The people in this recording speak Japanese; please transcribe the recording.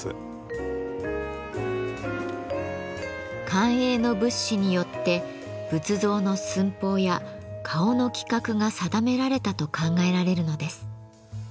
官営の仏師によって仏像の寸法や顔の規格が定められたと考えられるのです。